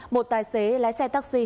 một tài xế lái xe taxi